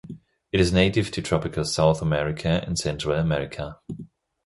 It is native to tropical South America and Central America.